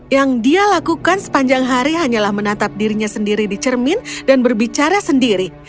yang dia lakukan sepanjang hari hanyalah menatap dirinya sendiri di cermin dan berbicara sendiri